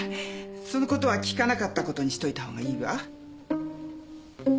そのことは聞かなかったことにしといた方がいいわ。